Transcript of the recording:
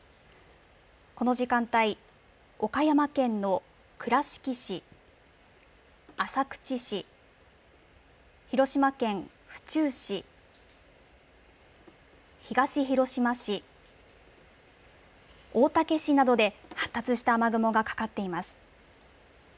この時間帯、岡山県の倉敷市、浅口市、広島県府中市、東広島市、大竹市などで、発達した雨雲がかかっています。